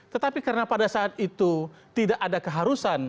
tetapi karena pada saat itu tidak ada keharusan